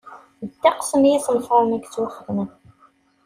Ddeqs n yisenfaṛen i yettwaxdamen.